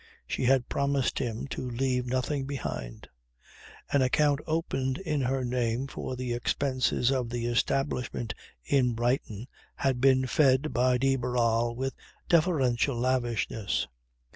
She had promised him to leave nothing behind. An account opened in her name for the expenses of the establishment in Brighton, had been fed by de Barral with deferential lavishness.